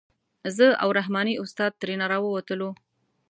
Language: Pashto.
زه او رحماني استاد ترېنه راووتلو.